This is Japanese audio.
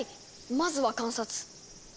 まずは観察。